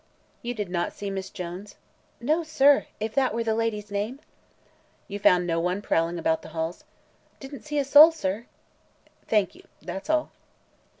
"You did not see Miss Jones?" "No, sir if that were the lady's name." "You found no one prowling about the halls?" "Didn't see a soul, sir." "Thank you; that's all."